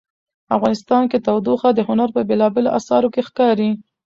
افغانستان کې تودوخه د هنر په بېلابېلو اثارو کې ښکاري.